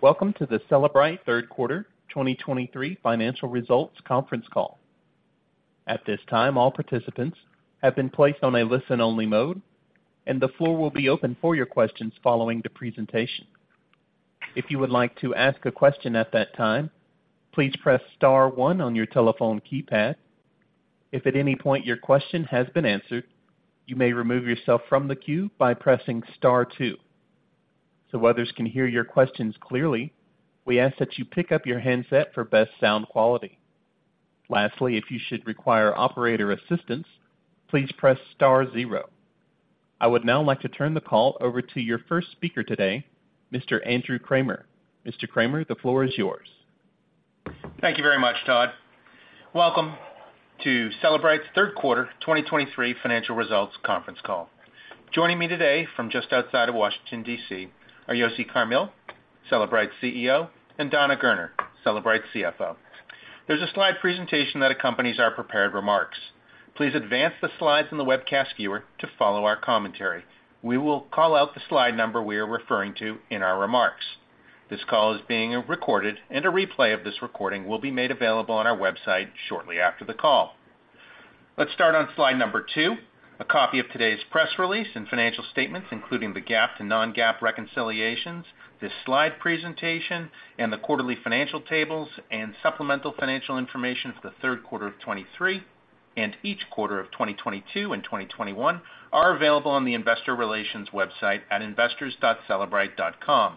Welcome to the Cellebrite Third Quarter 2023 Financial Results conference call. At this time, all participants have been placed on a listen-only mode, and the floor will be open for your questions following the presentation. If you would like to ask a question at that time, please press star one on your telephone keypad. If at any point your question has been answered, you may remove yourself from the queue by pressing star two. So others can hear your questions clearly, we ask that you pick up your handset for best sound quality. Lastly, if you should require operator assistance, please press star zero. I would now like to turn the call over to your first speaker today, Mr. Andrew Kramer. Mr. Kramer, the floor is yours. Thank you very much, Todd. Welcome to Cellebrite's Third Quarter 2023 Financial Results conference call. Joining me today from just outside of Washington, D.C., are Yossi Carmil, Cellebrite's CEO, and Dana Gerner, Cellebrite's CFO. There's a slide presentation that accompanies our prepared remarks. Please advance the slides in the webcast viewer to follow our commentary. We will call out the slide number we are referring to in our remarks. This call is being recorded, and a replay of this recording will be made available on our website shortly after the call. Let's start on slide number 2. A copy of today's press release and financial statements, including the GAAP and non-GAAP reconciliations, this slide presentation, and the quarterly financial tables and supplemental financial information for the third quarter of 2023, and each quarter of 2022 and 2021, are available on the investor relations website at investors.cellebrite.com.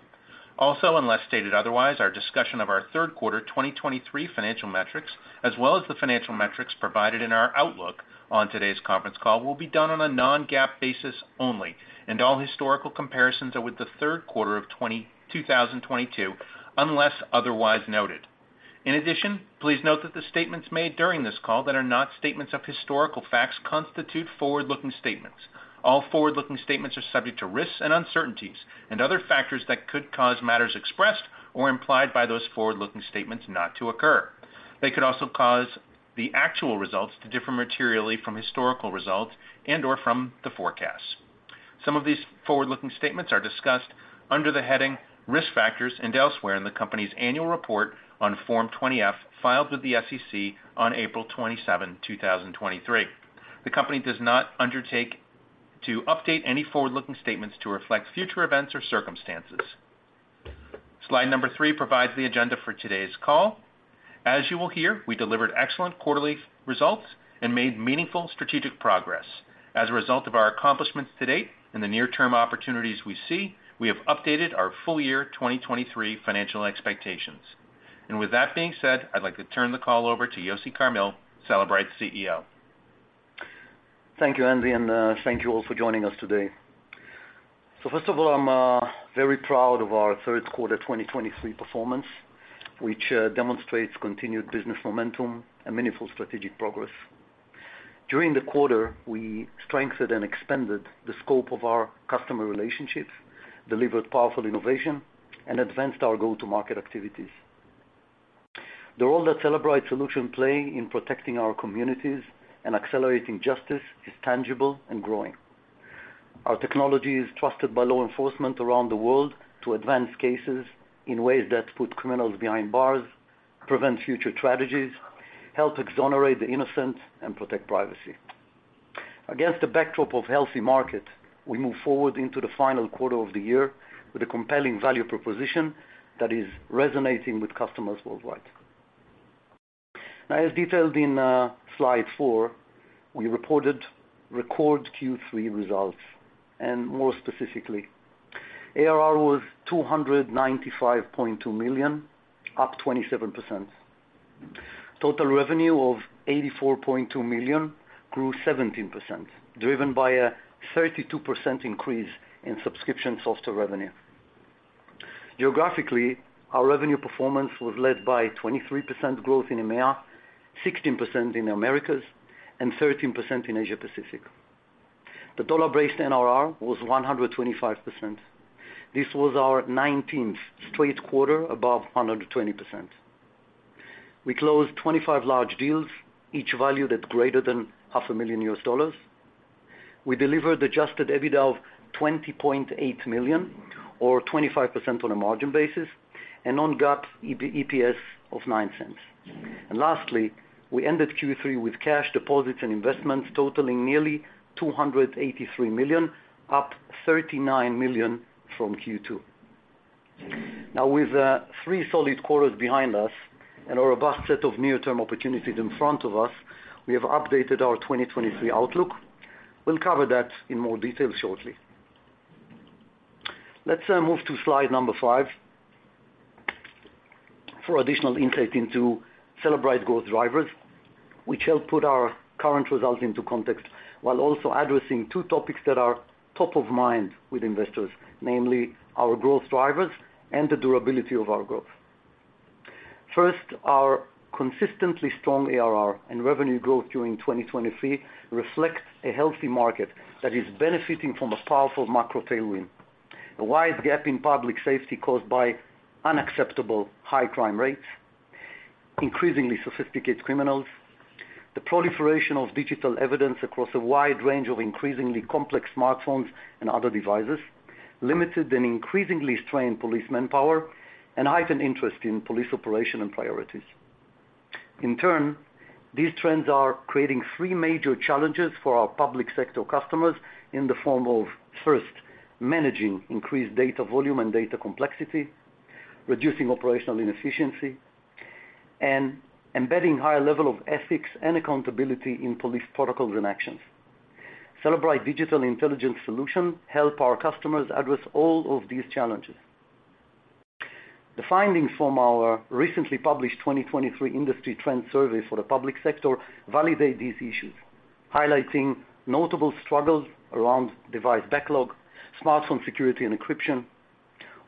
Also, unless stated otherwise, our discussion of our Third Quarter 2023 financial metrics, as well as the financial metrics provided in our outlook on today's conference call, will be done on a non-GAAP basis only, and all historical comparisons are with the third quarter of 2022, unless otherwise noted. In addition, please note that the statements made during this call that are not statements of historical facts constitute forward-looking statements. All forward-looking statements are subject to risks and uncertainties and other factors that could cause matters expressed or implied by those forward-looking statements not to occur. They could also cause the actual results to differ materially from historical results and/or from the forecasts. Some of these forward-looking statements are discussed under the heading Risk Factors and elsewhere in the company's annual report on Form 20-F, filed with the SEC on April 27, 2023. The company does not undertake to update any forward-looking statements to reflect future events or circumstances. Slide number 3 provides the agenda for today's call. As you will hear, we delivered excellent quarterly results and made meaningful strategic progress. As a result of our accomplishments to date and the near-term opportunities we see, we have updated our full-year 2023 financial expectations. With that being said, I'd like to turn the call over to Yossi Carmil, Cellebrite's CEO. Thank you, Andy, and thank you all for joining us today. First of all, I'm very proud of our third quarter 2023 performance, which demonstrates continued business momentum and meaningful strategic progress. During the quarter, we strengthened and expanded the scope of our customer relationships, ddelivered powerful innovation, and advanced our go-to-market activities. The role that Cellebrite Solution play in protecting our communities and accelerating justice is tangible and growing. Our technology is trusted by law enforcement around the world to advance cases in ways that put criminals behind bars, prevent future tragedies, help exonerate the innocent, and protect privacy. Against the backdrop of healthy market, we move forward into the final quarter of the year with a compelling value proposition that is resonating with customers worldwide. Now, as detailed in slide 4, we reported record Q3 results, and more specifically, ARR was $295.2 million, up 27%. Total revenue of $84.2 million grew 17%, driven by a 32% increase in subscription software revenue. Geographically, our revenue performance was led by 23% growth in EMEA, 16% in Americas, and 13% in Asia Pacific. The dollar-based NRR was 125%. This was our 19th straight quarter above 120%. We closed 25 large deals, each valued at greater than $500,000. We delivered adjusted EBITDA of $20.8 million, or 25% on a margin basis, and non-GAAP EPS of $0.09. Lastly, we ended Q3 with cash deposits and investments totaling nearly $283 million, up $39 million from Q2. Now, with three solid quarters behind us and a robust set of near-term opportunities in front of us, we have updated our 2023 outlook. We'll cover that in more detail shortly. Let's move to slide number 5 for additional insight into Cellebrite growth drivers, which help put our current results into context, while also addressing two topics that are top of mind with investors, namely, our growth drivers and the durability of our growth. First, our consistently strong ARR and revenue growth during 2023 reflects a healthy market that is benefiting from a powerful macro tailwind, a wide gap in public safety caused by unacceptable high crime rates, increasingly sophisticated criminals, the proliferation of digital evidence across a wide range of increasingly complex smartphones and other devices, limited and increasingly strained police manpower, and heightened interest in police operation and priorities. In turn, these trends are creating three major challenges for our public sector customers in the form of, first, managing increased data volume and data complexity, reducing operational inefficiency, and embedding higher level of ethics and accountability in police protocols and actions. Cellebrite Digital Intelligence Solution help our customers address all of these challenges. The findings from our recently published 2023 Industry Trend Survey for the public sector validate these issues, highlighting notable struggles around device backlog, smartphone security and encryption,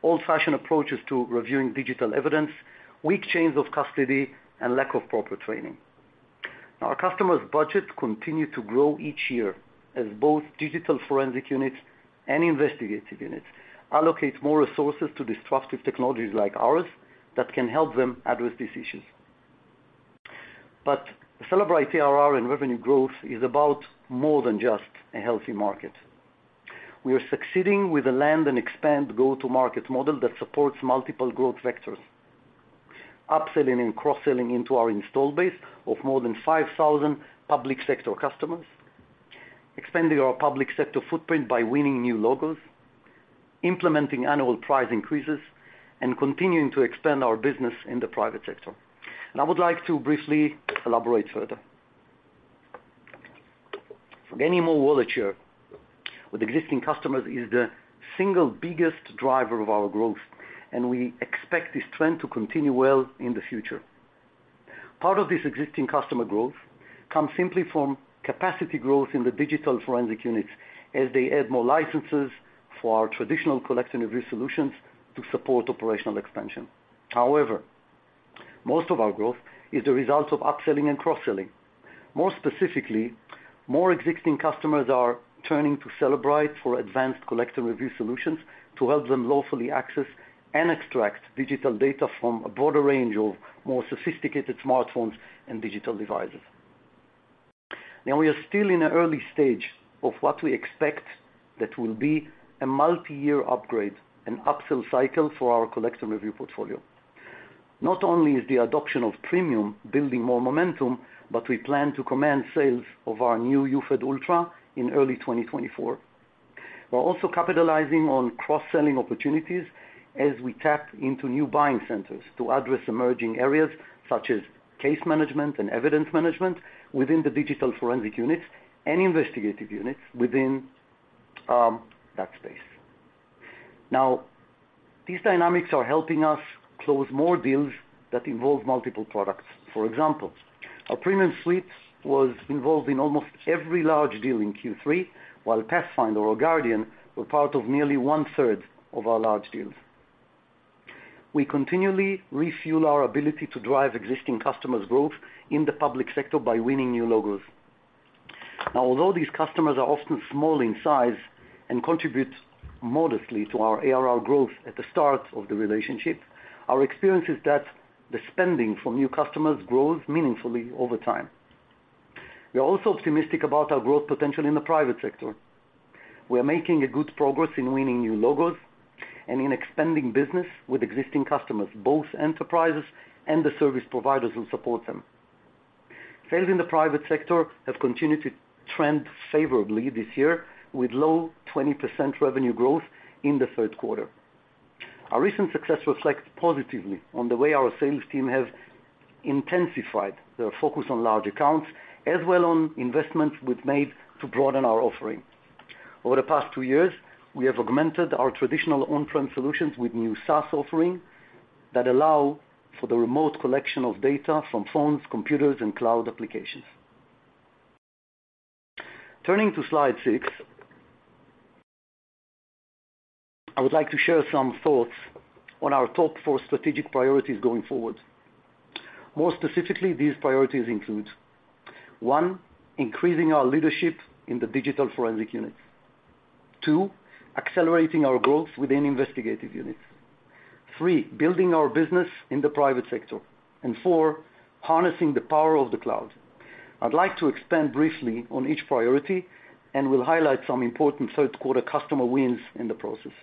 old-fashioned approaches to reviewing digital evidence, weak chains of custody, and lack of proper training. Now, our customers' budgets continue to grow each year as both digital forensic units and investigative units allocate more resources to disruptive technologies like ours, that can help them address these issues. But Cellebrite ARR and revenue growth is about more than just a healthy market. We are succeeding with a land and expand go-to-market model that supports multiple growth vectors, upselling and cross-selling into our install base of more than 5,000 public sector customers, expanding our public sector footprint by winning new logos, implementing annual price increases, and continuing to expand our business in the private sector. I would like to briefly elaborate further. Gaining more wallet share with existing customers is the single biggest driver of our growth, and we expect this trend to continue well in the future. Part of this existing customer growth comes simply from capacity growth in the digital forensic units, as they add more licenses for our traditional collection and review solutions to support operational expansion. However, most of our growth is the result of upselling and cross-selling. More specifically, more existing customers are turning to Cellebrite for advanced collect and review solutions to help them lawfully access and extract digital data from a broader range of more sophisticated smartphones and digital devices. Now, we are still in the early stage of what we expect that will be a multi-year upgrade and upsell cycle for our collect and review portfolio. Not only is the adoption of Premium building more momentum, but we plan to command sales of our new UFED Ultra in early 2024. We're also capitalizing on cross-selling opportunities as we tap into new buying centers to address emerging areas such as case management and evidence management within the digital forensic units and investigative units within that space. Now, these dynamics are helping us close more deals that involve multiple products. For example, our Premium Suites was involved in almost every large deal in Q3, while Pathfinder or Guardian were part of nearly 1/3 of our large deals. We continually refuel our ability to drive existing customers' growth in the public sector by winning new logos. Now, although these customers are often small in size and contribute modestly to our ARR growth at the start of the relationship, our experience is that the spending for new customers grows meaningfully over time. We are also optimistic about our growth potential in the private sector. We are making a good progress in winning new logos and in expanding business with existing customers, both enterprises and the service providers who support them. Sales in the private sector have continued to trend favorably this year, with low 20% revenue growth in the third quarter. Our recent success reflects positively on the way our sales team have intensified their focus on large accounts, as well as on investments we've made to broaden our offering. Over the past two years, we have augmented our traditional on-prem solutions with new SaaS offerings that allow for the remote collection of data from phones, computers, and cloud applications. Turning to slide 6, I would like to share some thoughts on our top four strategic priorities going forward. More specifically, these priorities include one, increasing our leadership in the digital forensic units. Two, accelerating our growth within investigative units. Three, building our business in the private sector, and four, harnessing the power of the cloud. I'd like to expand briefly on each priority, and will highlight some important third quarter customer wins in the process.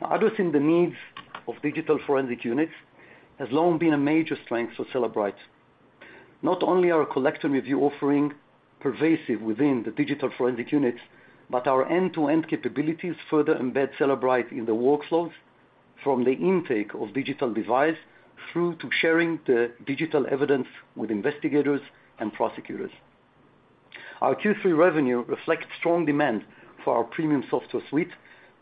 Now, addressing the needs of digital forensic units has long been a major strength for Cellebrite. Not only are collect and review offerings pervasive within the digital forensics units, but our end-to-end capabilities further embed Cellebrite in the workflows from the intake of digital devices, through to sharing the digital evidence with investigators and prosecutors. Our Q3 revenue reflects strong demand for our Premium software suite,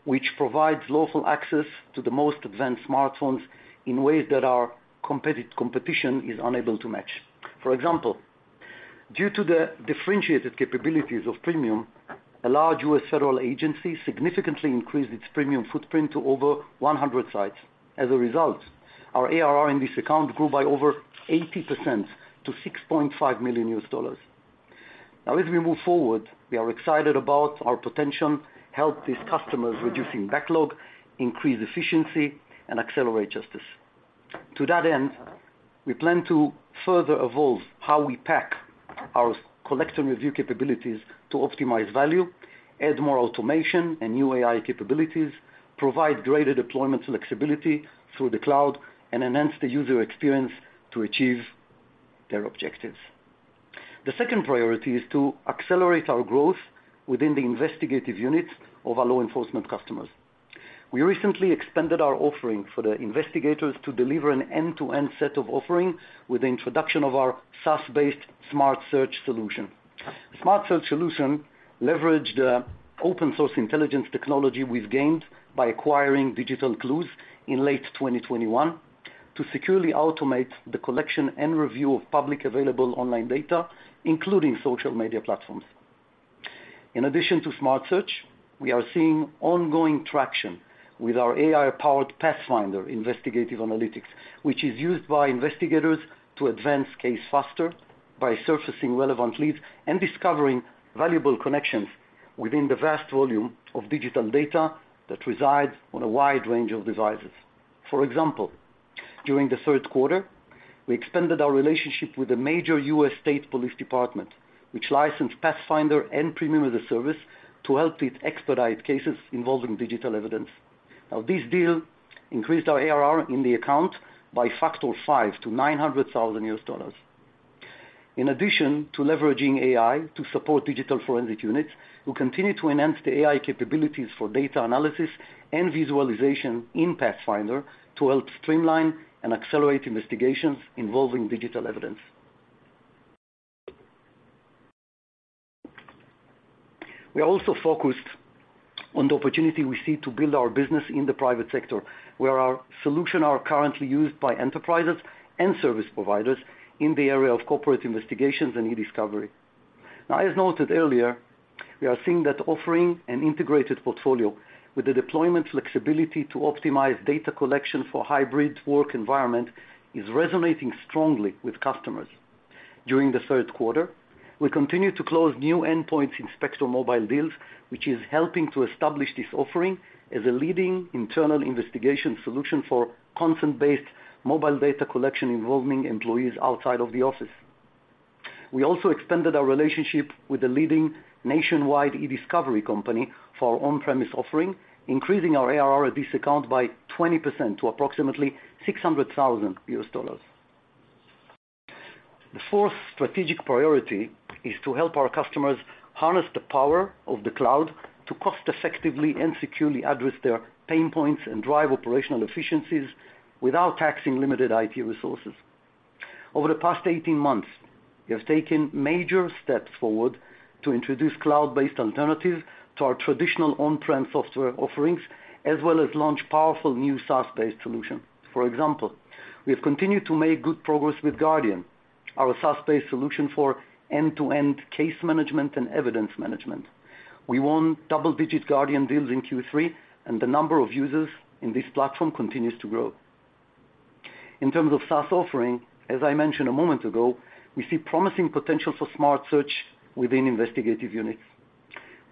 which provides lawful access to the most advanced smartphones in ways that our competition is unable to match. For example, due to the differentiated capabilities of Premium, a large U.S. federal agency significantly increased its premium footprint to over 100 sites. As a result, our ARR in this account grew by over 80% to $6.5 million. Now, as we move forward, we are excited about our potential to help these customers reduce backlog, increase efficiency, and accelerate justice. To that end, we plan to further evolve how we pack our collect and review capabilities to optimize value, add more automation and new AI capabilities, provide greater deployment flexibility through the cloud, and enhance the user experience to achieve their objectives. The second priority is to accelerate our growth within the investigative units of our law enforcement customers. We recently expanded our offering for the investigators to deliver an end-to-end set of offerings with the introduction of our SaaS-based Smart Search solution. Smart Search solution leverage the open source intelligence technology we've gained by acquiring Digital Clues in late 2021, to securely automate the collection and review of public available online data, including social media platforms. In addition to Smart Search, we are seeing ongoing traction with our AI-powered Pathfinder Investigative Analytics, which is used by investigators to advance case faster by surfacing relevant leads and discovering valuable connections within the vast volume of digital data that resides on a wide range of devices. For example, during the third quarter, we expanded our relationship with a major U.S. state police department, which licensed Pathfinder and Premium as a service to help it expedite cases involving digital evidence. Now, this deal increased our ARR in the account by factor five to $900,000. In addition to leveraging AI to support digital forensic units, we continue to enhance the AI capabilities for data analysis and visualization in Pathfinder to help streamline and accelerate investigations involving digital evidence. We are also focused on the opportunity we see to build our business in the private sector, where our solution are currently used by enterprises and service providers in the area of corporate investigations and e-Discovery. Now, as noted earlier, we are seeing that offering an integrated portfolio with the deployment flexibility to optimize data collection for hybrid work environment is resonating strongly with customers. During the third quarter, we continued to close new Endpoint Inspector mobile deals, which is helping to establish this offering as a leading internal investigation solution for consent-based mobile data collection involving employees outside of the office. We also extended our relationship with the leading nationwide e-Discovery company for our on-premise offering, increasing our ARR at this account by 20% to approximately $600,000. The fourth strategic priority is to help our customers harness the power of the cloud to cost effectively and securely address their pain points and drive operational efficiencies without taxing limited IT resources. Over the past 18 months, we have taken major steps forward to introduce cloud-based alternatives to our traditional on-prem software offerings, as well as launch powerful new SaaS-based solution. For example, we have continued to make good progress with Guardian, our SaaS-based solution for end-to-end case management and evidence management. We won double-digit Guardian deals in Q3, and the number of users in this platform continues to grow. In terms of SaaS offering, as I mentioned a moment ago, we see promising potential for Smart Search within investigative units.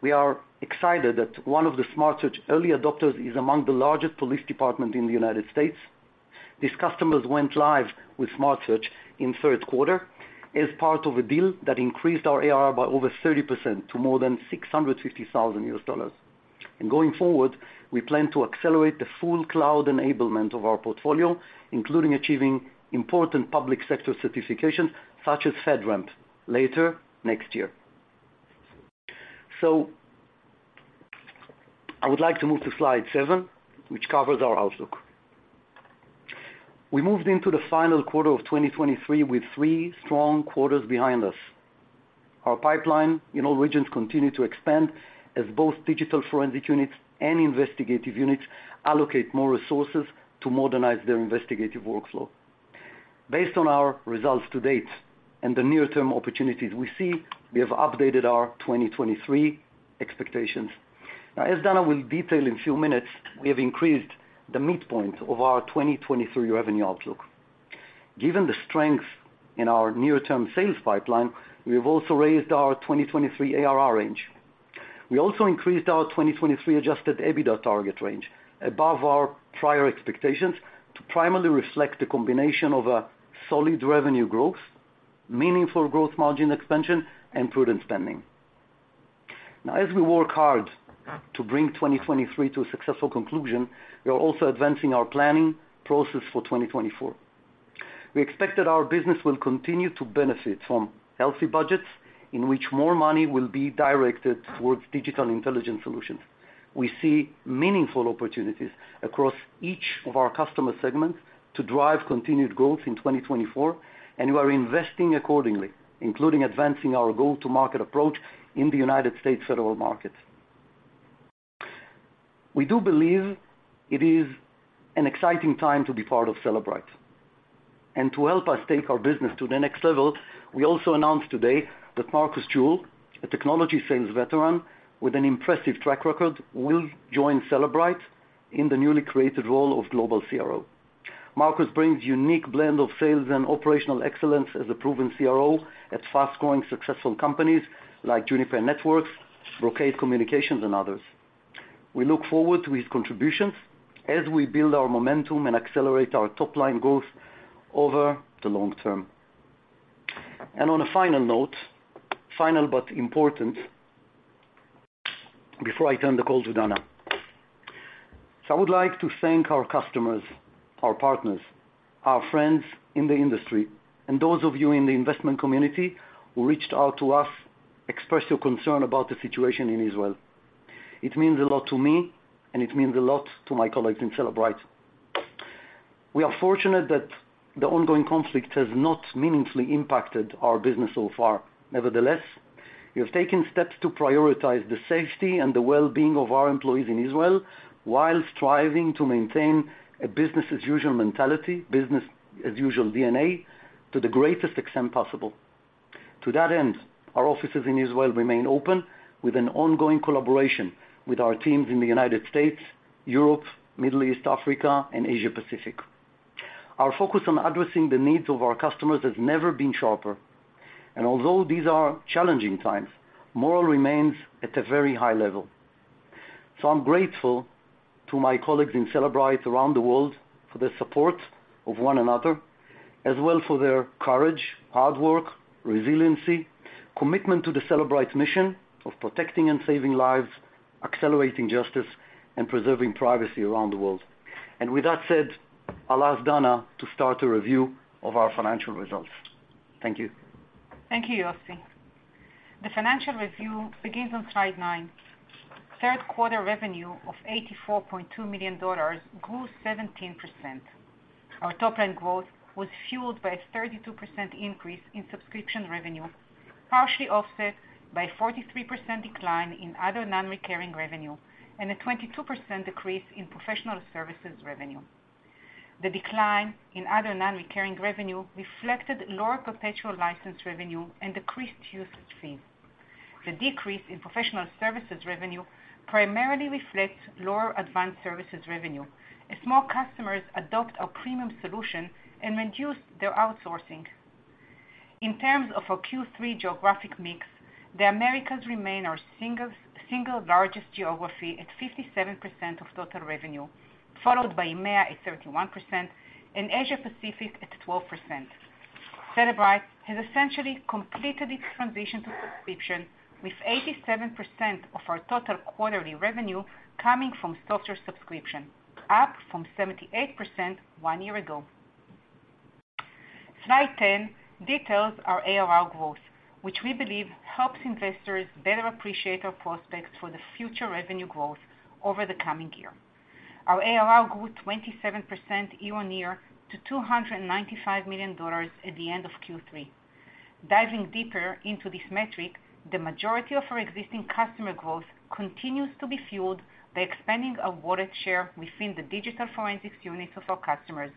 We are excited that one of the Smart Search early adopters is among the largest police department in the United States. These customers went live with Smart Search in third quarter as part of a deal that increased our ARR by over 30% to more than $650,000. And going forward, we plan to accelerate the full cloud enablement of our portfolio, including achieving important public sector certifications such as FedRAMP, later next year. So I would like to move to slide 7, which covers our outlook. We moved into the final quarter of 2023 with three strong quarters behind us. Our pipeline in all regions continue to expand as both digital forensic units and investigative units allocate more resources to modernize their investigative workflow. Based on our results to date and the near-term opportunities we see, we have updated our 2023 expectations. Now, as Dana will detail in a few minutes, we have increased the midpoint of our 2023 revenue outlook. Given the strength in our near-term sales pipeline, we have also raised our 2023 ARR range. We also increased our 2023 adjusted EBITDA target range above our prior expectations, to primarily reflect the combination of a solid revenue growth, meaningful growth margin expansion, and prudent spending. Now, as we work hard to bring 2023 to a successful conclusion, we are also advancing our planning process for 2024. We expect that our business will continue to benefit from healthy budgets, in which more money will be directed towards Digital Intelligence solutions. We see meaningful opportunities across each of our customer segments to drive continued growth in 2024, and we are investing accordingly, including advancing our go-to-market approach in the United States federal market. We do believe it is an exciting time to be part of Cellebrite. And to help us take our business to the next level, we also announced today that Marcus Jewell, a technology sales veteran with an impressive track record will join Cellebrite in the newly created role of Global CRO. Marcus brings unique blend of sales and operational excellence as a proven CRO at fast-growing, successful companies like Juniper Networks, Brocade Communications, and others. We look forward to his contributions as we build our momentum and accelerate our top-line growth over the long term. And on a final note, final but important, before I turn the call to Dana. So I would like to thank our customers, our partners, our friends in the industry, and those of you in the investment community who reached out to us, expressed your concern about the situation in Israel. It means a lot to me, and it means a lot to my colleagues in Cellebrite. We are fortunate that the ongoing conflict has not meaningfully impacted our business so far. Nevertheless, we have taken steps to prioritize the safety and the well-being of our employees in Israel while striving to maintain a business-as-usual mentality, business-as-usual DNA to the greatest extent possible. To that end, our offices in Israel remain open, with an ongoing collaboration with our teams in the United States, Europe, Middle East, Africa, and Asia Pacific. Our focus on addressing the needs of our customers has never been sharper, and although these are challenging times, morale remains at a very high level. So I'm grateful to my colleagues in Cellebrite around the world for their support of one another, as well, for their courage, hard work, resiliency, commitment to the Cellebrite mission of protecting and saving lives, accelerating justice, and preserving privacy around the world. With that said, I'll ask Dana to start a review of our financial results. Thank you. Thank you, Yossi. The financial review begins on slide 9. Third quarter revenue of $84.2 million grew 17%. Our top-line growth was fueled by a 32% increase in subscription revenue, partially offset by 43% decline in other non-recurring revenue, and a 22% decrease in professional services revenue. The decline in other non-recurring revenue reflected lower perpetual license revenue and decreased usage fee. The decrease in professional services revenue primarily reflects lower advanced services revenue, as more customers adopt our premium solution and reduce their outsourcing. In terms of our Q3 geographic mix, the Americas remain our single largest geography at 57% of total revenue, followed by EMEA at 31%, and Asia Pacific at 12%. Cellebrite has essentially completed its transition to subscription, with 87% of our total quarterly revenue coming from software subscription, up from 78% one year ago. Slide 10 details our ARR growth, which we believe helps investors better appreciate our prospects for the future revenue growth over the coming year. Our ARR grew 27% year-on-year to $295 million at the end of Q3. Diving deeper into this metric, the majority of our existing customer growth continues to be fueled by expanding our wallet share within the digital forensics units of our customers,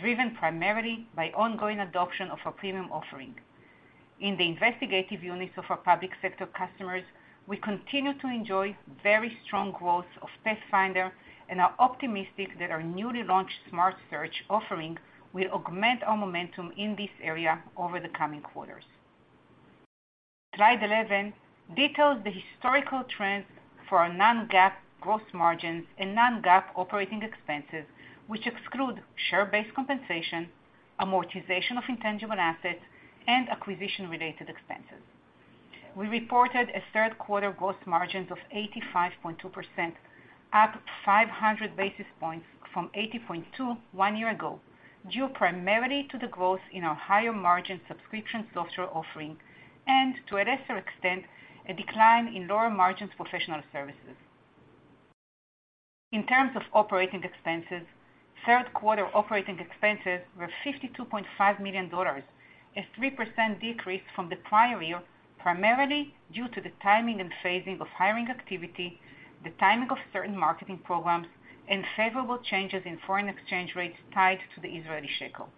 driven primarily by ongoing adoption of our premium offering. In the investigative units of our public sector customers, we continue to enjoy very strong growth of Pathfinder and are optimistic that our newly launched Smart Search offering will augment our momentum in this area over the coming quarters. Slide 11 details the historical trends for our non-GAAP gross margins and non-GAAP operating expenses, which exclude share-based compensation, amortization of intangible assets, and acquisition-related expenses. We reported a third quarter gross margins of 85.2%, up 500 basis points from 80.2 one year ago, due primarily to the growth in our higher-margin subscription software offering, and to a lesser extent, a decline in lower-margins professional services. In terms of operating expenses, third quarter operating expenses were $52.5 million, a 3% decrease from the prior year, primarily due to the timing and phasing of hiring activity, the timing of certain marketing programs, and favorable changes in foreign exchange rates tied to the Israeli shekel.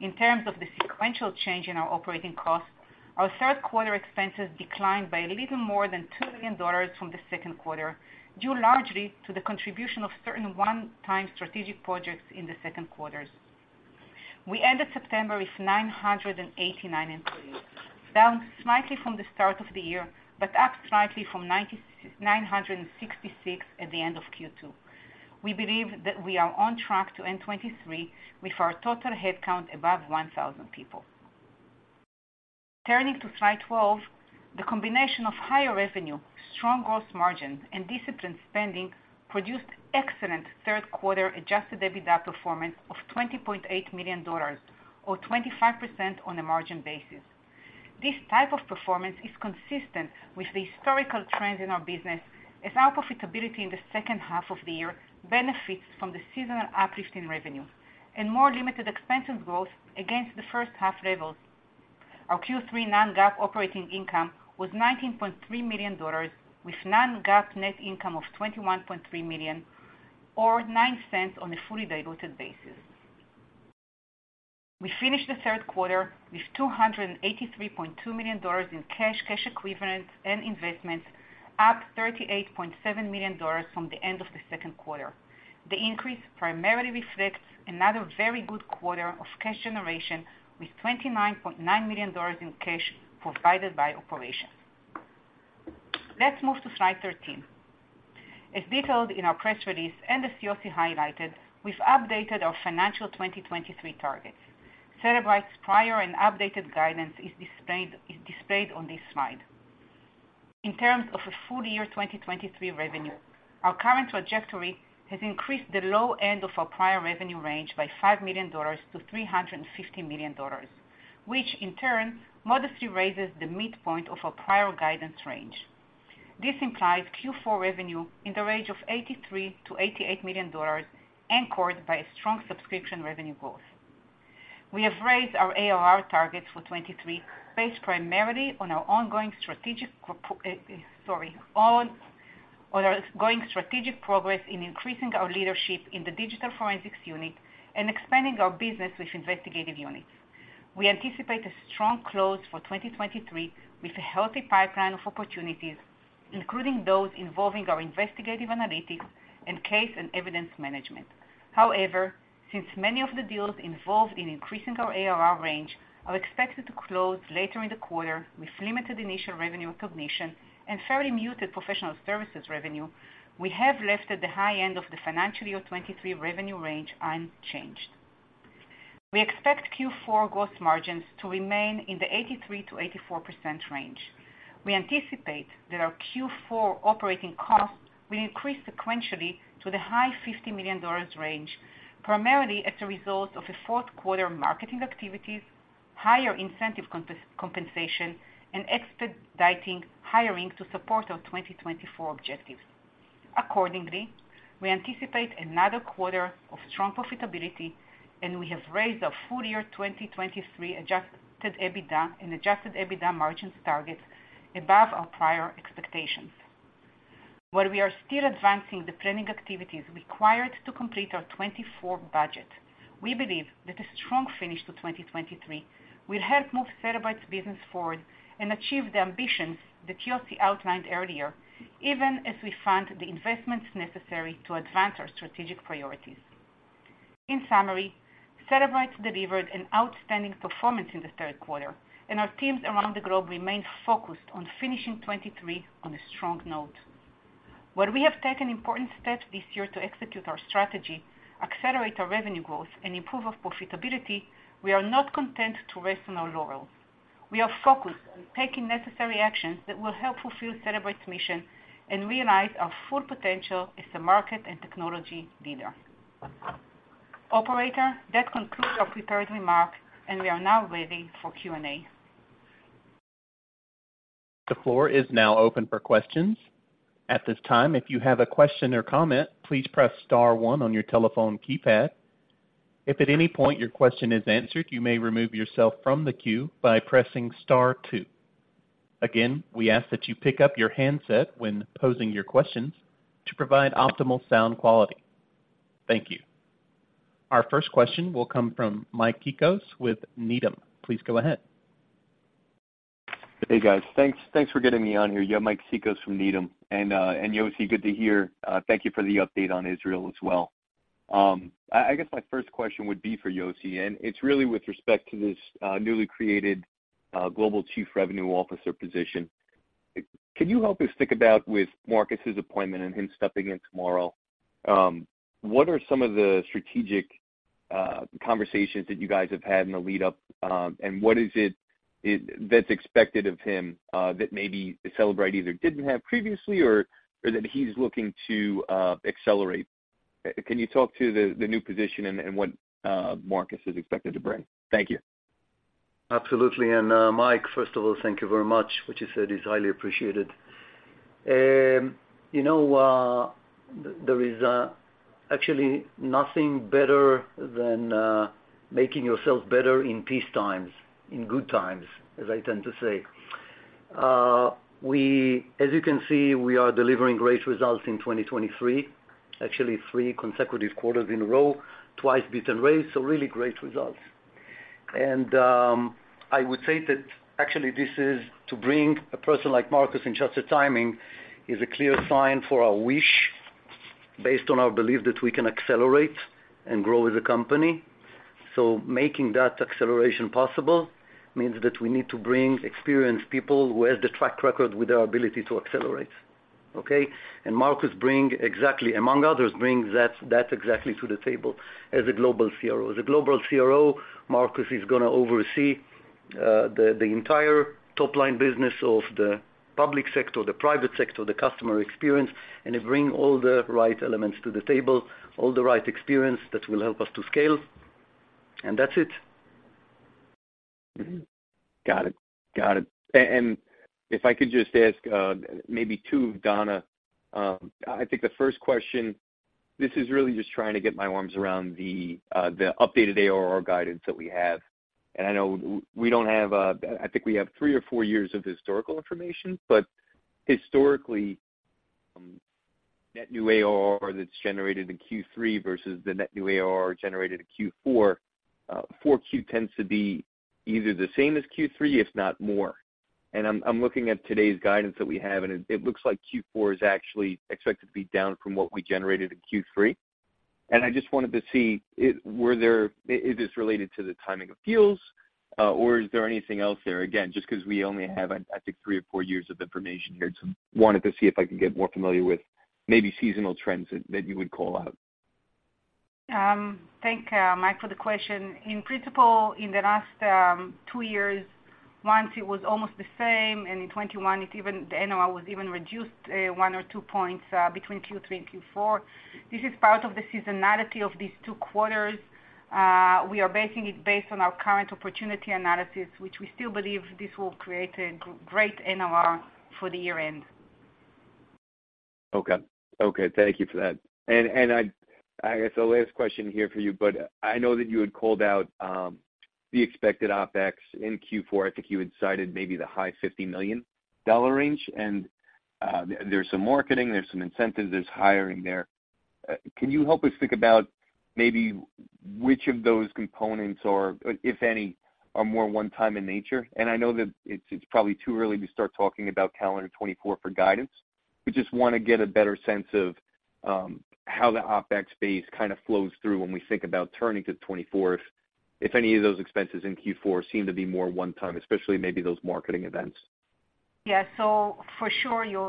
In terms of the sequential change in our operating costs, our third quarter expenses declined by little more than $2 million from the second quarter, due largely to the contribution of certain one-time strategic projects in the second quarter. We ended September with 989 employees, down slightly from the start of the year, but up slightly from 966 employees at the end of Q2. We believe that we are on track to end 2023 with our total headcount above 1,000 people. Turning to slide 12, the combination of higher revenue, strong gross margin, and disciplined spending produced excellent third quarter adjusted EBITDA performance of $20.8 million or 25% on a margin basis. This type of performance is consistent with the historical trends in our business, as our profitability in the second half of the year benefits from the seasonal uplift in revenue and more limited expensive growth against the first half levels. Our Q3 non-GAAP operating income was $19.3 million, with non-GAAP net income of $21.3 million or $0.09 on a fully diluted basis. We finished the third quarter with $283.2 million in cash, cash equivalents, and investments, up $38.7 million from the end of the second quarter. The increase primarily reflects another very good quarter of cash generation, with $29.9 million in cash provided by operations. Let's move to slide 13. As detailed in our press release and as Yossi highlighted, we've updated our financial 2023 targets. Cellebrite's prior and updated guidance is displayed on this slide. In terms of a full year, 2023 revenue, our current trajectory has increased the low end of our prior revenue range by $5 million to $350 million, which in turn modestly raises the midpoint of our prior guidance range. This implies Q4 revenue in the range of $83 million to $88 million, anchored by a strong subscription revenue growth. We have raised our ARR targets for 2023, based primarily on our ongoing strategic progress in increasing our leadership in the digital forensics unit and expanding our business with investigative units. We anticipate a strong close for 2023, with a healthy pipeline of opportunities, including those involving our investigative analytics and case and evidence management. However, since many of the deals involved in increasing our ARR range are expected to close later in the quarter with limited initial revenue recognition and fairly muted professional services revenue, we have left at the high end of the financial year 2023 revenue range unchanged. We expect Q4 gross margins to remain in the 83% to 84% range. We anticipate that our Q4 operating costs will increase sequentially to the high $50 million range, primarily as a result of a fourth quarter marketing activities, higher incentive compensation, and expediting hiring to support our 2024 objectives. Accordingly, we anticipate another quarter of strong profitability, and we have raised our full-year 2023 adjusted EBITDA and adjusted EBITDA margins targets above our prior expectations. While we are still advancing the planning activities required to complete our 2024 budget, we believe that a strong finish to 2023 will help move Cellebrite's business forward and achieve the ambitions that Yossi outlined earlier, even as we fund the investments necessary to advance our strategic priorities. In summary, Cellebrite delivered an outstanding performance in the third quarter, and our teams around the globe remain focused on finishing 2023 on a strong note. While we have taken important steps this year to execute our strategy, accelerate our revenue growth, and improve our profitability, we are not content to rest on our laurels. We are focused on taking necessary actions that will help fulfill Cellebrite's mission and realize our full potential as a market and technology leader. Operator, that concludes our prepared remarks, and we are now ready for Q&A. The floor is now open for questions. At this time, if you have a question or comment, please press star one on your telephone keypad. If at any point your question is answered, you may remove yourself from the queue by pressing star two. Again, we ask that you pick up your handset when posing your questions to provide optimal sound quality. Thank you. Our first question will come from Mike Cikos with Needham. Please go ahead. Hey, guys. Thanks for getting me on here. You have Mike Cikos from Needham. And, Yossi, good to hear, thank you for the update on Israel as well. My first question would be for Yossi, and it's really with respect to this newly created Global Chief Revenue Officer position. Can you help us think about with Marcus's appointment and him stepping in tomorrow, what are some of the strategic conversations that you guys have had in the lead-up? And what is it that's expected of him, that maybe Cellebrite either didn't have previously or that he's looking to accelerate? Can you talk to the new position and what Marcus is expected to bring? Thank you. Absolutely. And, Mike, first of all, thank you very much. What you said is highly appreciated. You know, there is, actually nothing better than, making yourself better in peace times, in good times, as I tend to say. We, as you can see, we are delivering great results in 2023, actually three consecutive quarters in a row, twice beat and raised, so really great results. And, I would say that actually this is to bring a person like Marcus in just a timing, is a clear sign for our wish, based on our belief that we can accelerate and grow as a company. So making that acceleration possible means that we need to bring experienced people who have the track record with their ability to accelerate, okay? And Marcus brings exactly, among others, that exactly to the table as a global CRO. As a global CRO, Marcus is going to oversee the entire top-line business of the public sector, the private sector, the customer experience, and bring all the right elements to the table, all the right experience that will help us to scale. And that's it. Got it. Got it. And if I could just ask, maybe two, Dana. I think the first question, this is really just trying to get my arms around the updated ARR guidance that we have. And I know we don't have a, I think we have three or four years of historical information, but historically net new ARR that's generated in Q3 versus the net new ARR generated in Q4, 4Q tends to be either the same as Q3, if not more. And I'm looking at today's guidance that we have, and it looks like Q4 is actually expected to be down from what we generated in Q3. And I just wanted to see, is this related to the timing of deals, or is there anything else there? Again, just because we only have, I think, three or four years of information here, so wanted to see if I can get more familiar with maybe seasonal trends that you would call out. Thanks Mike for the question. In principle, in the last two years, once it was almost the same, and in 2021, the NRR was even reduced one or two points between Q3 and Q4. This is part of the seasonality of these two quarters. We are basing it based on our current opportunity analysis, which we still believe this will create a great NRR for the year end. Okay. Okay, thank you for that. And the last question here for you, but I know that you had called out the expected OpEx in Q4. I think you had cited maybe the high $50 million range, and there's some marketing, there's some incentives, there's hiring there. Can you help us think about maybe which of those components or if any are more one-time in nature? And I know that it's probably too early to start talking about calendar 2024 for guidance. We just want to get a better sense of how the OpEx base kind of flows through when we think about turning to 2024, if any of those expenses in Q4 seem to be more one-time, especially maybe those marketing events. Yeah. So for sure, you're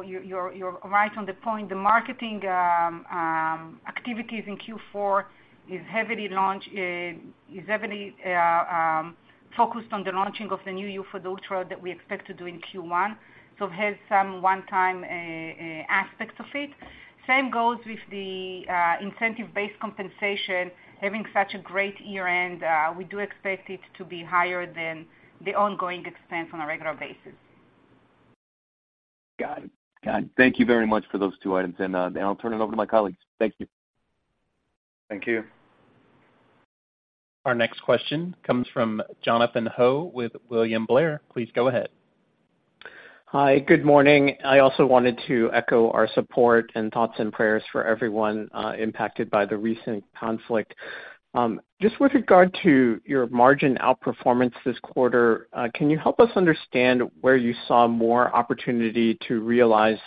right on the point. The marketing activities in Q4 is heavily focused on the launching of the new UFED Ultra that we expect to do in Q1. So it has some one-time aspect of it. Same goes with the incentive-based compensation. Having such a great year end, we do expect it to be higher than the ongoing expense on a regular basis. Got it. Got it. Thank you very much for those two items, and, I'll turn it over to my colleagues. Thank you. Thank you. Our next question comes from Jonathan Ho with William Blair. Please go ahead. Hi, good morning. I also wanted to echo our support and thoughts and prayers for everyone impacted by the recent conflict. Just with regard to your margin outperformance this quarter, can you help us understand where you saw more opportunity to realize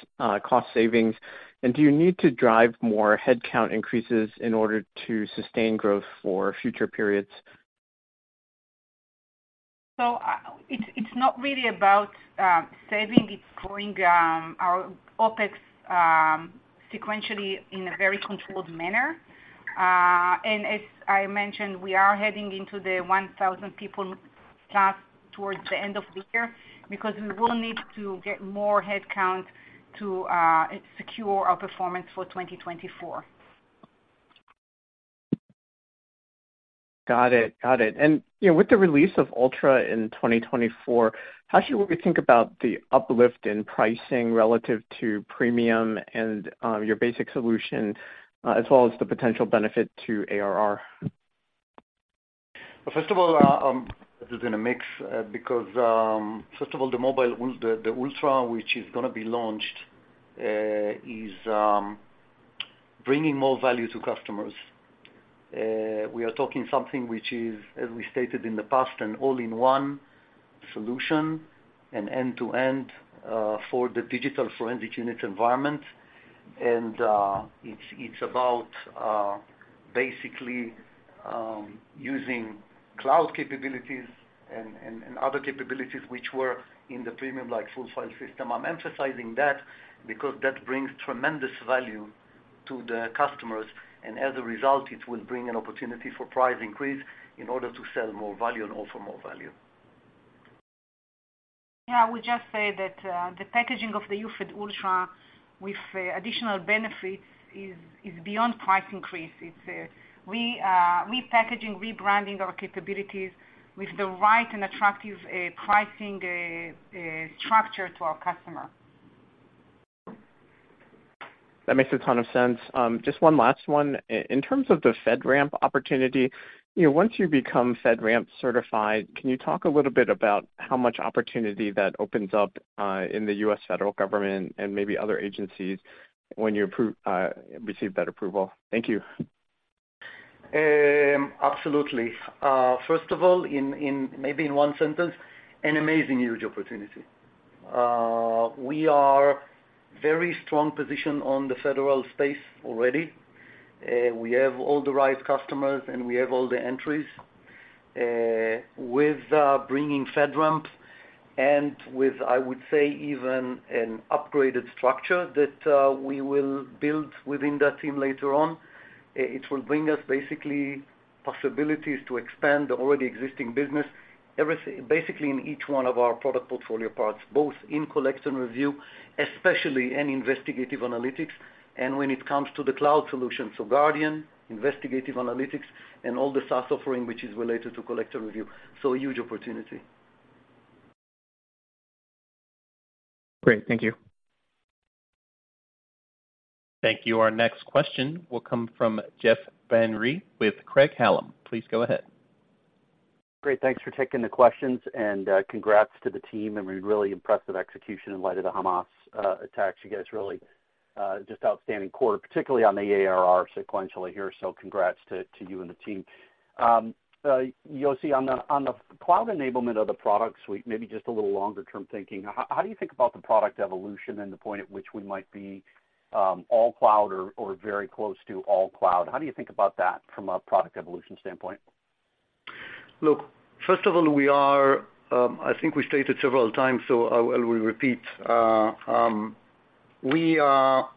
cost savings? And do you need to drive more headcount increases in order to sustain growth for future periods? So, it's not really about saving, it's growing our OpEx sequentially in a very controlled manner. And as I mentioned, we are heading into the 1,000 people staff towards the end of the year, because we will need to get more headcount to secure our performance for 2024. Got it. Got it. You know, with the release of Ultra in 2024, how should we think about the uplift in pricing relative to Premium and your basic solution, as well as the potential benefit to ARR? First of all, this is in a mix because first of all, the mobile UFED, the Ultra, which is going to be launched, is bringing more value to customers. We are talking something which is, as we stated in the past, an all-in-one solution and end-to-end for the digital forensic unit environment. And it's about basically using cloud capabilities and other capabilities which were in the Premium, like full file system. I'm emphasizing that because that brings tremendous value to the customers, and as a result, it will bring an opportunity for price increase in order to sell more value and offer more value. Yeah, I would just say that the packaging of the UFED Ultra with additional benefits is beyond price increase. We repackaging, rebranding our capabilities with the right and attractive pricing structure to our customer. That makes a ton of sense. Just one last one. In terms of the FedRAMP opportunity, you know, once you become FedRAMP certified, can you talk a little bit about how much opportunity that opens up in the U.S. federal government and maybe other agencies when you receive that approval? Thank you. Absolutely. First of all, in maybe in one sentence, an amazing, huge opportunity. We are very strong position on the federal space already, we have all the right customers, and we have all the entries. With bringing FedRAMP and with, I would say, even an upgraded structure that we will build within that team later on. It will bring us basically possibilities to expand the already existing business, basically in each one of our product portfolio parts, both in collect and review, especially in investigative analytics and when it comes to the cloud solution, so Guardian, investigative analytics, and all the SaaS offering, which is related to collect and review. So a huge opportunity. Great. Thank you. Thank you. Our next question will come from Jeff Van Rhee with Craig-Hallum. Please go ahead. Great, thanks for taking the questions, and congrats to the team, and we're really impressed with execution in light of the Hamas attacks. You guys really just outstanding quarter, particularly on the ARR sequentially here. So congrats to you and the team. Yossi, on the cloud enablement of the product suite, maybe just a little longer-term thinking, how do you think about the product evolution and the point at which we might be all cloud or very close to all cloud? How do you think about that from a product evolution standpoint? Look, first of all, we are, I think we stated several times, so I will repeat. We are,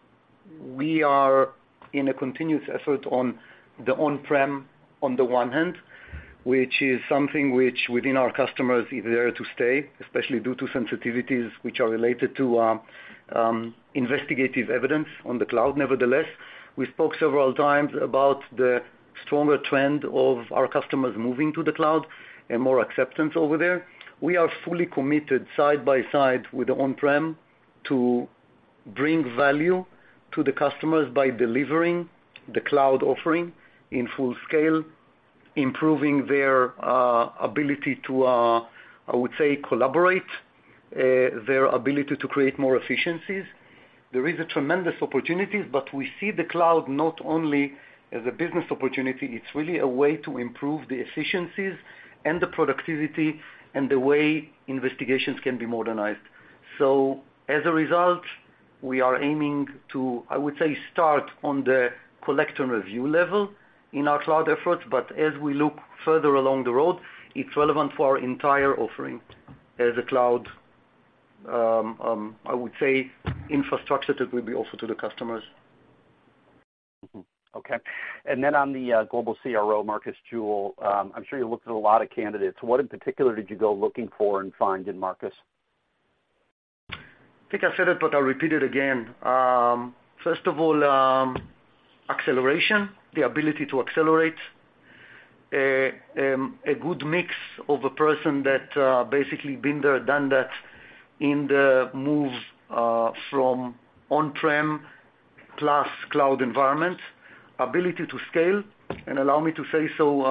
we are in a continuous effort on the on-prem, on the one hand, which is something which within our customers is there to stay, especially due to sensitivities, which are related to, investigative evidence on the cloud. Nevertheless, we spoke several times about the stronger trend of our customers moving to the cloud and more acceptance over there. We are fully committed, side by side with the on-prem, to bring value to the customers by delivering the cloud offering in full scale, improving their ability to, I would say, collaborate, their ability to create more efficiencies. There is a tremendous opportunities, but we see the cloud not only as a business opportunity, it's really a way to improve the efficiencies and the productivity and the way investigations can be modernized. So as a result, we are aiming to, I would say, start on the collect and review level in our cloud efforts, but as we look further along the road, it's relevant for our entire offering. As a cloud, I would say, infrastructure, that will be also to the customers. Okay. Then on the global CRO, Marcus Jewell, I'm sure you looked at a lot of candidates. What in particular did you go looking for and find in Marcus? I think I said it, but I'll repeat it again. First of all, acceleration, the ability to accelerate. A good mix of a person that basically been there, done that in the move from on-prem plus cloud environment, ability to scale, and allow me to say so,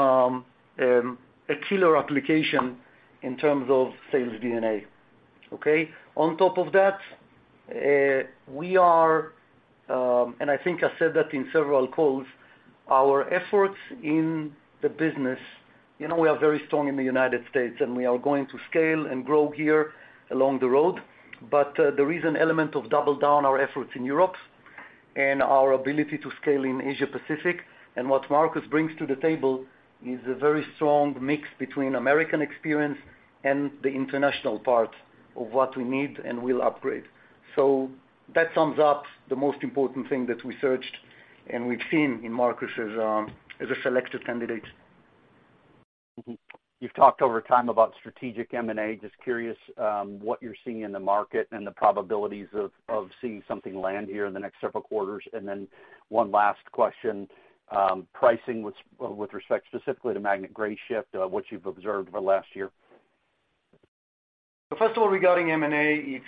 a killer application in terms of sales DNA. Okay? On top of that, we are, and I think I said that in several calls, our efforts in the business, you know, we are very strong in the United States, and we are going to scale and grow here along the road. But there is an element of double down our efforts in Europe and our ability to scale in Asia Pacific. What Marcus brings to the table is a very strong mix between American experience and the international part of what we need and will upgrade. So that sums up the most important thing that we searched and we've seen in Marcus as a selected candidate. You've talked over time about strategic M&A. Just curious what you're seeing in the market and the probabilities of seeing something land here in the next several quarters. And then one last question, pricing with respect specifically to Magnet, Grayshift, what you've observed over the last year. First of all, regarding M&A,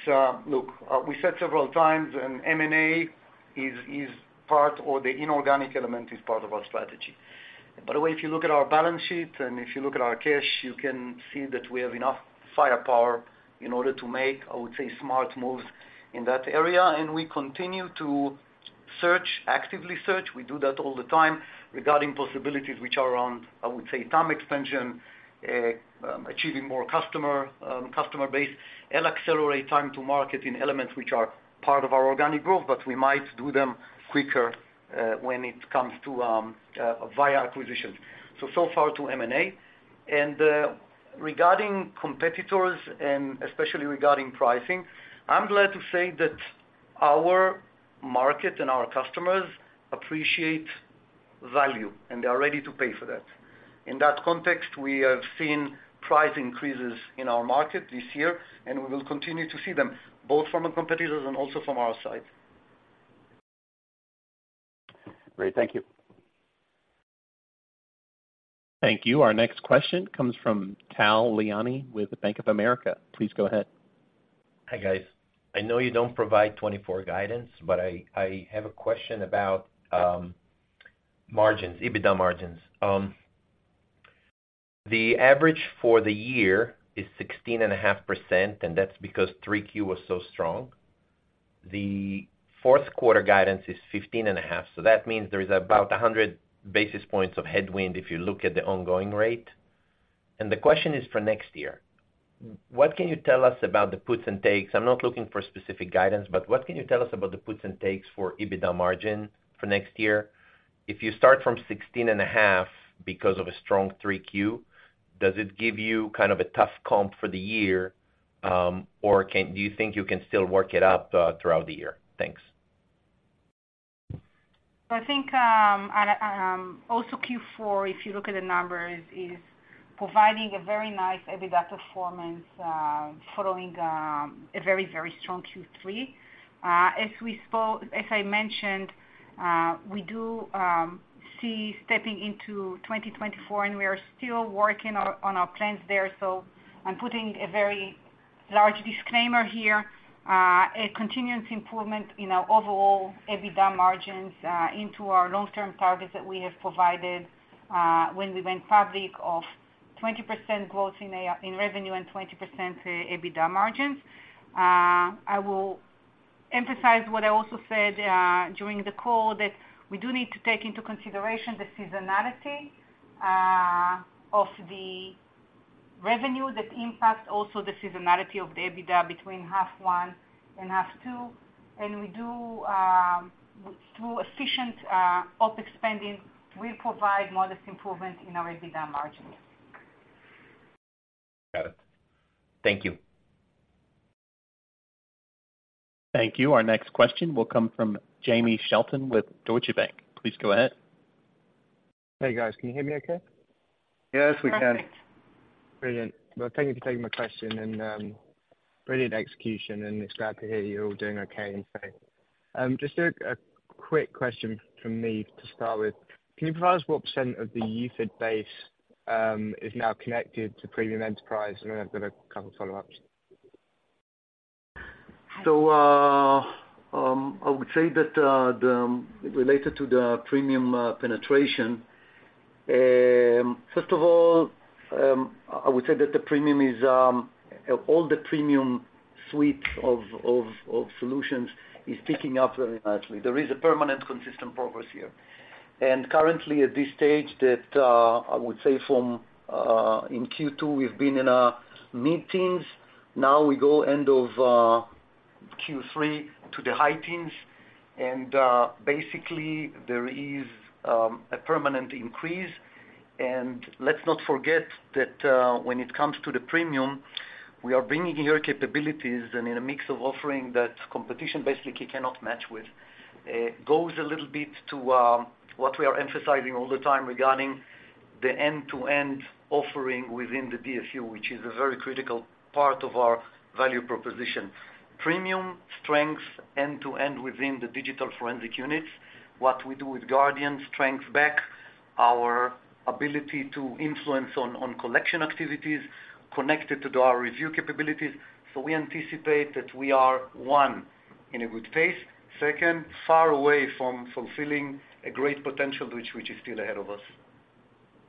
look, we said several times, and M&A is, is part or the inorganic element is part of our strategy. By the way, if you look at our balance sheet and if you look at our cash, you can see that we have enough firepower in order to make, I would say, smart moves in that area, and we continue to search, actively search, we do that all the time, regarding possibilities which are around, I would say, TAM expansion, achieving more customer, customer base, and accelerate time to market in elements which are part of our organic growth, but we might do them quicker, when it comes to, via acquisition. So far to M&A. Regarding competitors and especially regarding pricing, I'm glad to say that our market and our customers appreciate value and they are ready to pay for that. In that context, we have seen price increases in our market this year, and we will continue to see them, both from the competitors and also from our side. Great. Thank you. Thank you. Our next question comes from Tal Liani with Bank of America. Please go ahead. Hi, guys. I know you don't provide 2024 guidance, but I have a question about margins, EBITDA margins. The average for the year is 16.5%, and that's because 3Q was so strong. The fourth quarter guidance is 15.5%, so that means there is about 100 basis points of headwind if you look at the ongoing rate. And the question is for next year, what can you tell us about the puts and takes? I'm not looking for specific guidance, but what can you tell us about the puts and takes for EBITDA margin for next year? If you start from 16.5% because of a strong 3Q, does it give you kind of a tough comp for the year, or do you think you can still work it up throughout the year? Thanks. I think also Q4, if you look at the numbers, is providing a very nice EBITDA performance, following a very, very strong Q3. As I mentioned, we do see stepping into 2024, and we are still working on our plans there, so I'm putting a large disclaimer here, a continuous improvement in our overall EBITDA margins into our long-term targets that we have provided when we went public of 20% growth in revenue and 20% EBITDA margins. I will emphasize what I also said during the call, that we do need to take into consideration the seasonality of the revenue that impacts also the seasonality of the EBITDA between half one and half two. We do, through efficient OpEx spending, we provide modest improvement in our EBITDA margins. Got it. Thank you. Thank you. Our next question will come from Jamie Shelton with Deutsche Bank. Please go ahead. Hey, guys, can you hear me okay? Yes, we can. Yes, we can. Brilliant. Well, thank you for taking my question, and, brilliant execution, and it's glad to hear you're all doing okay and safe. Just a quick question from me to start with: Can you provide us what percent of the UFED base is now connected to Premium Enterprise? And then I've got a couple follow-ups. Hi. So, I would say that the related to the Premium penetration, first of all, I would say that the Premium is all the Premium suite of solutions is ticking up very nicely. There is a permanent, consistent progress here. And currently, at this stage that I would say from, in Q2, we've been in mid-teens, now we go end of Q3 to the high-teens, and basically, there is a permanent increase. And let's not forget that when it comes to the Premium, we are bringing here capabilities and in a mix of offering that competition, basically, cannot match with. It goes a little bit to what we are emphasizing all the time regarding the end-to-end offering within the DSU, which is a very critical part of our value proposition. Premium strength end-to-end within the digital forensic units, what we do with Guardian strengths back our ability to influence on collection activities connected to our review capabilities. So we anticipate that we are, one, in a good pace, second, far away from fulfilling a great potential, which, which is still ahead of us.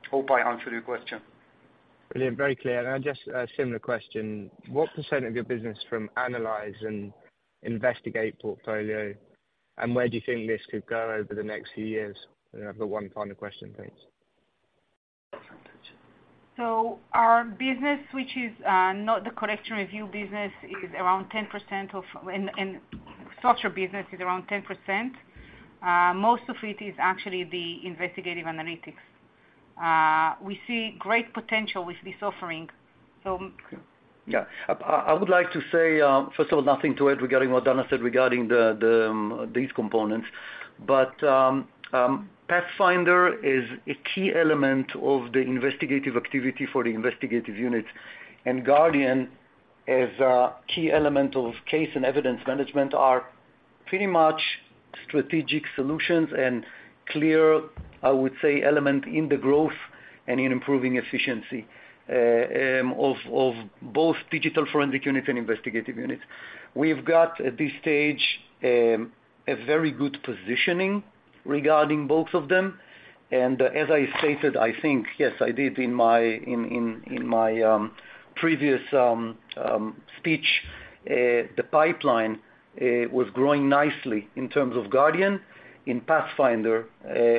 I hope I answered your question. Brilliant, very clear. And just a similar question, what percent of your business from analyze and investigate portfolio, and where do you think this could go over the next few years? And I've got one final question, please. So our business, which is not the collection review business, is around 10% and subscription business, is around 10%. Most of it is actually the investigative analytics. We see great potential with this offering, so. Yeah. I would like to say, first of all, nothing to add regarding what Dana said regarding the these components. But Pathfinder is a key element of the investigative activity for the investigative units, and Guardian is a key element of case and evidence management, are pretty much strategic solutions and clear, I would say, element in the growth and in improving efficiency of both digital forensic unit and investigative units. We have got, at this stage, a very good positioning regarding both of them, and as I stated, I think, yes, I did in my previous speech, the pipeline was growing nicely in terms of Guardian. In Pathfinder,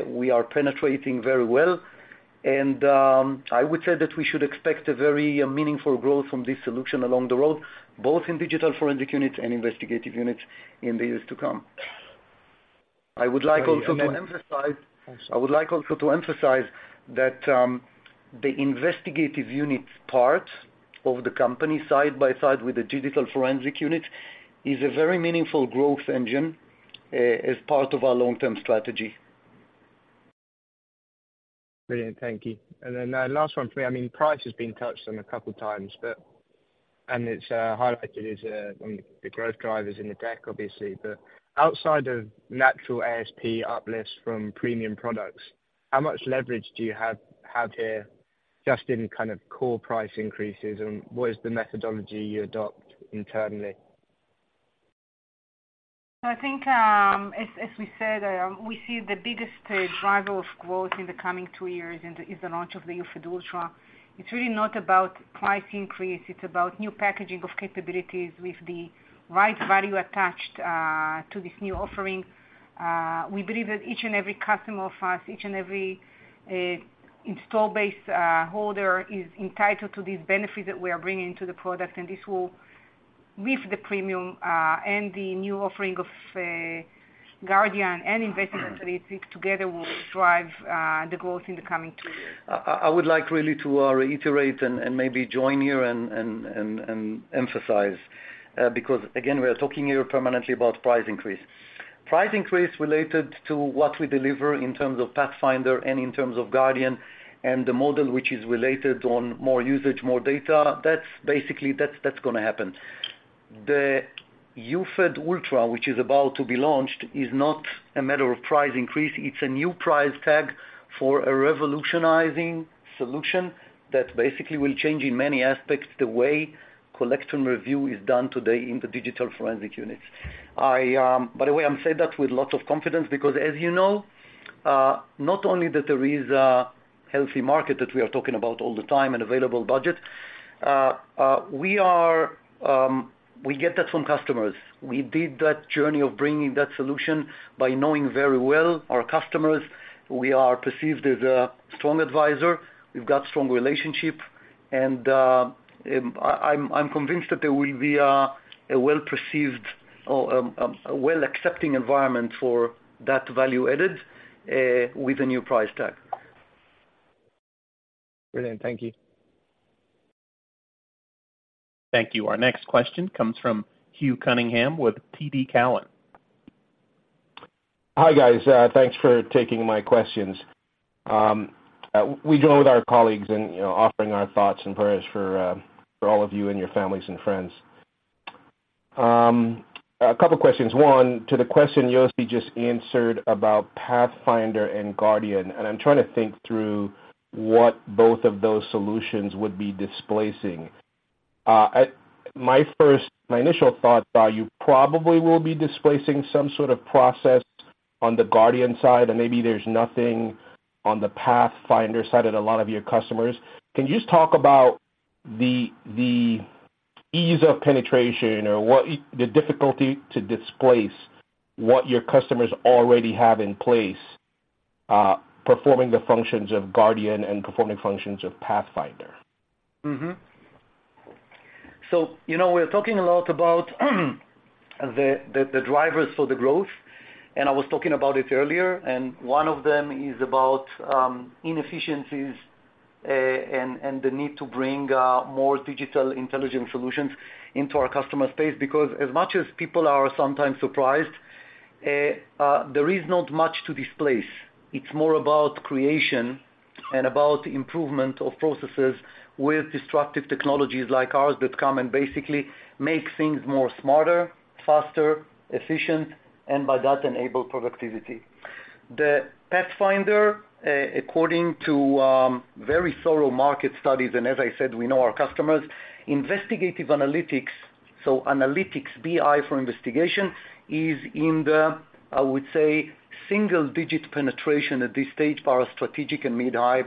we are penetrating very well, and I would say that we should expect a very meaningful growth from this solution along the road, both in digital forensic units and investigative units in the years to come. I would like also to emphasize that the investigative units part of the company, side by side with the digital forensic unit, is a very meaningful growth engine as part of our long-term strategy. Brilliant, thank you. And then, last one for me. I mean, price has been touched on a couple of times, but, and it's highlighted as on the growth drivers in the deck, obviously. But outside of natural ASP uplifts from premium products, how much leverage do you have here, just in kind of core price increases, and what is the methodology you adopt internally? I think, as we said, we see the biggest driver of growth in the coming two years in the launch of the UFED Ultra. It's really not about price increase, it's about new packaging of capabilities with the right value attached to this new offering. We believe that each and every customer of us, each and every install base holder, is entitled to these benefits that we are bringing to the product, and this will lift the premium, and the new offering of Guardian and investigative analytics together will drive the growth in the coming two years. I would like really to reiterate and maybe join here and emphasize, because, again, we are talking here permanently about price increase. Price increase related to what we deliver in terms of Pathfinder and in terms of Guardian, and the model, which is related on more usage, more data, that's basically, that's going to happen. The UFED Ultra, which is about to be launched, is not a matter of price increase. It's a new price tag for a revolutionizing solution that basically will change, in many aspects, the way collection review is done today in the digital forensic units. By the way, I'm saying that with lots of confidence, because as you know, not only that there is a healthy market that we are talking about all the time and available budget, we get that from customers. We did that journey of bringing that solution by knowing very well our customers. We are perceived as a strong advisor, we've got strong relationship, and, I'm convinced that there will be a well-perceived or a well-accepting environment for that value added with a new price tag. Brilliant. Thank you. Thank you. Our next question comes from Hugh Cunningham with TD Cowen. Hi, guys, thanks for taking my questions. We go with our colleagues in, you know, offering our thoughts and prayers for all of you and your families and friends. A couple questions, one, to the question Yossi just answered about Pathfinder and Guardian, and I'm trying to think through what both of those solutions would be displacing. My initial thoughts are you probably will be displacing some sort of process on the Guardian side, and maybe there's nothing on the Pathfinder side with a lot of your customers. Can you just talk about the ease of penetration or what is the difficulty to displace what your customers already have in place, performing the functions of Guardian and performing functions of Pathfinder? So, you know, we're talking a lot about the drivers for the growth, and I was talking about it earlier, and one of them is about inefficiencies and the need to bring more Digital Intelligence solutions into our customer space. Because as much as people are sometimes surprised, there is not much to displace. It's more about creation and about improvement of processes with disruptive technologies like ours, that come and basically make things more smarter, faster, efficient, and by that, enable productivity. The Pathfinder, according to very thorough market studies, and as I said, we know our customers, investigative analytics, so analytics, BI for investigation, is in the, I would say, single-digit penetration at this stage for our strategic and mid-high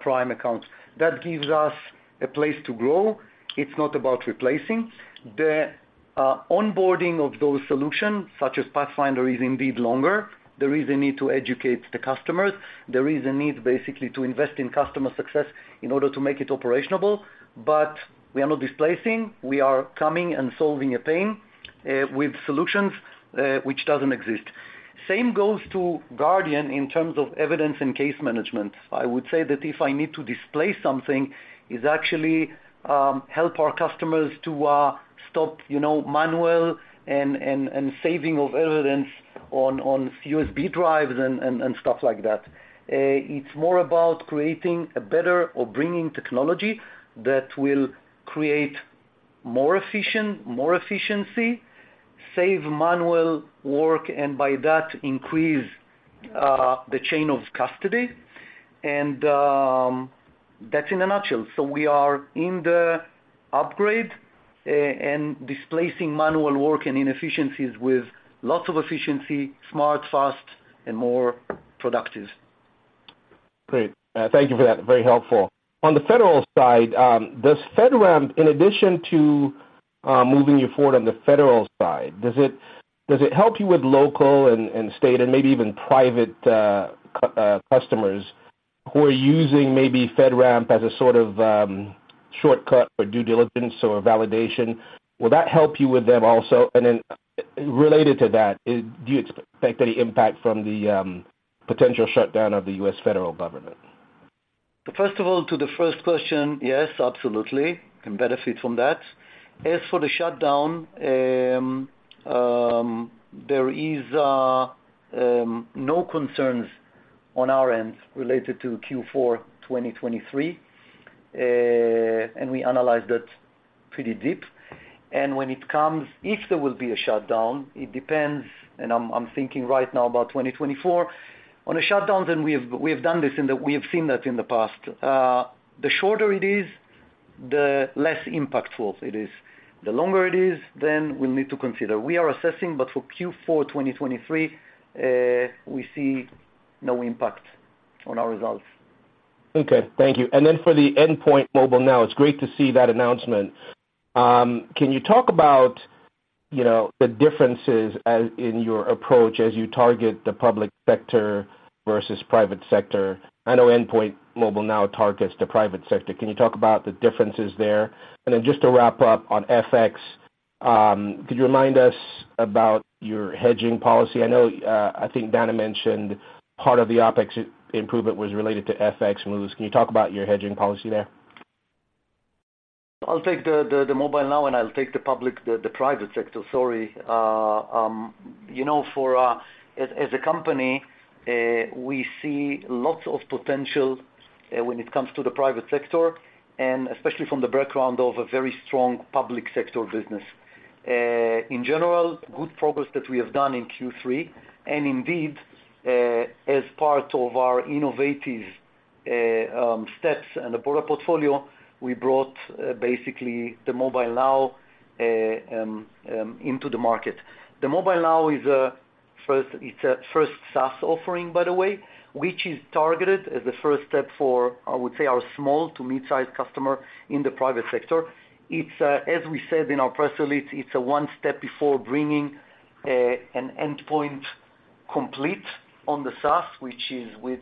prime accounts. That gives us a place to grow. It's not about replacing. The onboarding of those solutions, such as Pathfinder, is indeed longer. There is a need to educate the customers. There is a need, basically, to invest in customer success in order to make it operational. But we are not displacing, we are coming and solving a pain with solutions which doesn't exist. Same goes to Guardian in terms of evidence and case management. I would say that if I need to displace something, is actually help our customers to stop, you know, manual and saving of evidence on USB drives and stuff like that. It's more about creating a better or bringing technology that will create more efficient, more efficiency, save manual work, and by that, increase the chain of custody, and that's in a nutshell. So we are in the upgrade, and displacing manual work and inefficiencies with lots of efficiency, smart, fast, and more productive. Great. Thank you for that. Very helpful. On the federal side, does FedRAMP, in addition to moving you forward on the federal side, does it help you with local and state and maybe even private customers who are using maybe FedRAMP as a sort of shortcut for due diligence or validation? Will that help you with them also? And then related to that, do you expect any impact from the potential shutdown of the U.S. federal government? First of all, to the first question, yes, absolutely, we can benefit from that. As for the shutdown, there is no concerns on our end related to Q4 2023, and we analyzed that pretty deep. When it comes, if there will be a shutdown, it depends, and I'm thinking right now about 2024. On a shutdown, then we have done this and we have seen that in the past. The shorter it is, the less impactful it is. The longer it is, then we'll need to consider. We are assessing, but for Q4 2023, we see no impact on our results. Okay. Thank you. And then for the Endpoint Mobile Now, it's great to see that announcement. Can you talk about, you know, the differences as in your approach as you target the public sector versus private sector? I know Endpoint Mobile Now targets the private sector. Can you talk about the differences there? And then just to wrap up on FX, could you remind us about your hedging policy? I know, I think Dana mentioned part of the OpEx improvement was related to FX moves. Can you talk about your hedging policy there? I'll take the Mobile Now, and I'll take the public, the private sector, sorry. You know, for as a company, we see lots of potential when it comes to the private sector, and especially from the background of a very strong public sector business. In general, good progress that we have done in Q3, and indeed, as part of our innovative steps and the broader portfolio, we brought basically the Mobile Now into the market. The Mobile Now is first, it's a first SaaS offering, by the way, which is targeted as the first step for, I would say, our small to mid-size customer in the private sector. It's, as we said in our press release, it's a one step before bringing an endpoint complete on the SaaS, which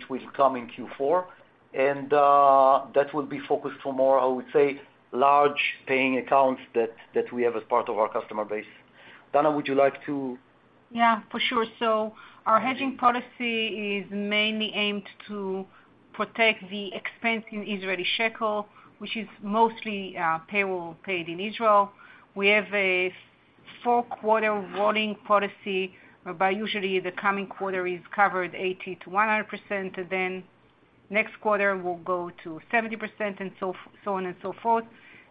will come in Q4. And, that will be focused for more, I would say, large paying accounts that we have as part of our customer base. Dana, would you like to? Yeah, for sure. Our hedging policy is mainly aimed to protect the expense in Israeli shekel, which is mostly payroll paid in Israel. We have a four-quarter rolling policy, but usually, the coming quarter is covered 80% to 100%, and then next quarter will go to 70%, and so on and so forth.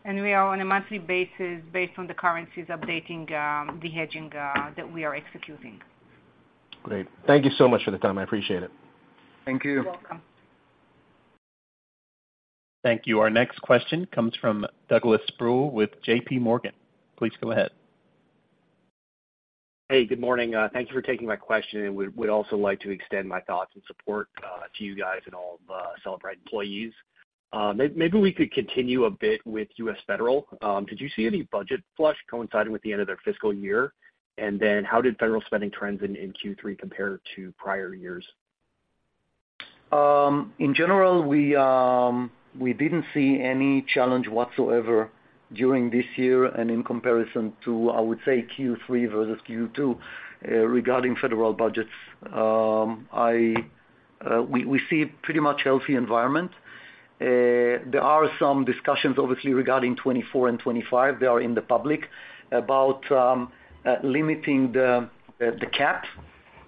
We are on a monthly basis, based on the currencies, updating the hedging that we are executing. Great. Thank you so much for the time. I appreciate it. Thank you. You're welcome. Thank you. Our next question comes from Douglas Sproul with JP Morgan. Please go ahead. Hey, good morning. Thank you for taking my question, and would also like to extend my thoughts and support to you guys and all the Cellebrite employees. Maybe we could continue a bit with U.S. Federal. Did you see any budget flush coinciding with the end of their fiscal year? And then how did federal spending trends in Q3 compare to prior years? In general, we didn't see any challenge whatsoever during this year, and in comparison to, I would say, Q3 versus Q2, regarding federal budgets. We see pretty much healthy environment. There are some discussions, obviously, regarding 2024 and 2025, they are in the public, about limiting the cap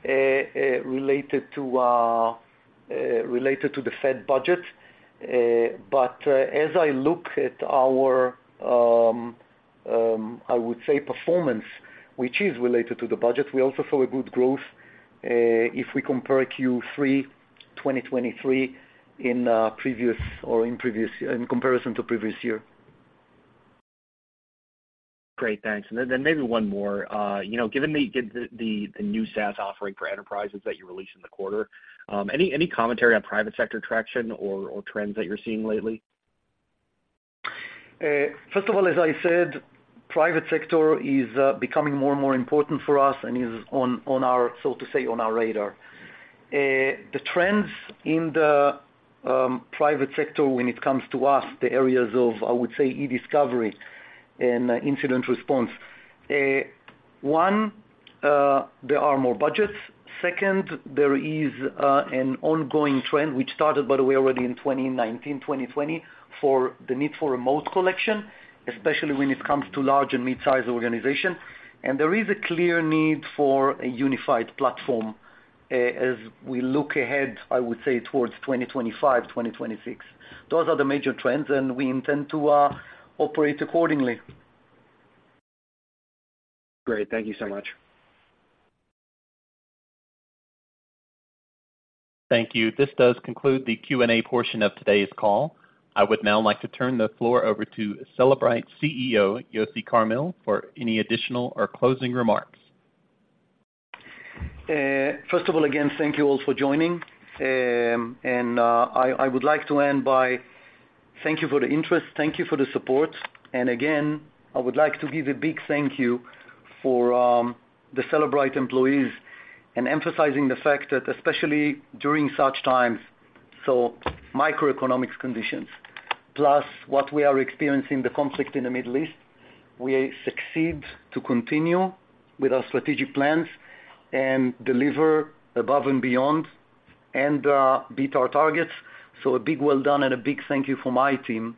related to the Fed budget. But as I look at our performance, which is related to the budget, we also saw a good growth if we compare Q3, 2023, in previous year, in comparison to previous year. Great, thanks. And then, maybe one more. You know, given the new SaaS offering for enterprises that you released in the quarter, any commentary on private sector traction or trends that you're seeing lately? First of all, as I said, private sector is becoming more and more important for us and is on our, so to say, on our radar. The trends in the private sector when it comes to us, the areas of, I would say, e-discovery and incident response. One, there are more budgets. Second, there is an ongoing trend, which started, by the way, already in 2019, 2020, for the need for remote collection, especially when it comes to large and mid-sized organizations. And there is a clear need for a unified platform, as we look ahead, I would say, towards 2025, 2026. Those are the major trends, and we intend to operate accordingly. Great. Thank you so much. Thank you. This does conclude the Q&A portion of today's call. I would now like to turn the floor over to Cellebrite CEO, Yossi Carmil, for any additional or closing remarks. First of all, again, thank you all for joining. And I would like to end by thank you for the interest, thank you for the support. And again, I would like to give a big thank you for the Cellebrite employees, and emphasizing the fact that especially during such times, so macroeconomic conditions, plus what we are experiencing, the conflict in the Middle East, we succeed to continue with our strategic plans and deliver above and beyond and beat our targets. So a big well done and a big thank you for my team,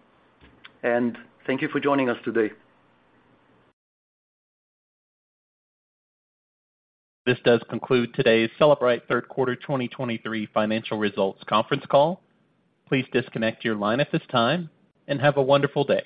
and thank you for joining us today. This does conclude today's Cellebrite Third Quarter 2023 Financial Results conference call. Please disconnect your line at this time, and have a wonderful day.